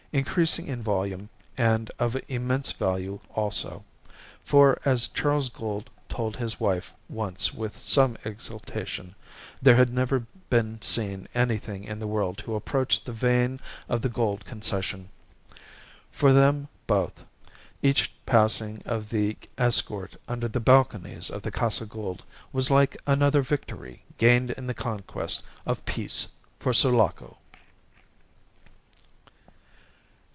Increasing in volume, and of immense value also; for, as Charles Gould told his wife once with some exultation, there had never been seen anything in the world to approach the vein of the Gould Concession. For them both, each passing of the escort under the balconies of the Casa Gould was like another victory gained in the conquest of peace for Sulaco.